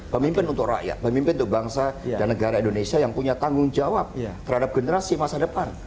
pemimpin untuk rakyat pemimpin untuk bangsa dan negara indonesia yang punya tanggung jawab terhadap generasi masa depan